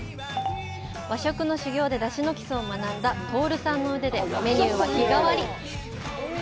和食の修業で出汁の基礎を学んだ透さんの腕で、メニューは日替わり。